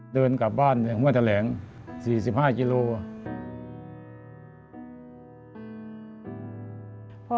เดินกลับบ้านในหัวแถลง๔๕กิโลกรัม